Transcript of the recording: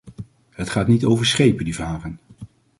Het gaat niet over schepen die varen.